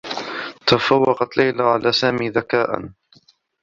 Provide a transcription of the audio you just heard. تفوّقت ليلى على سامي ذكاءا.